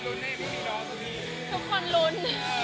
ทุกคนลุ้น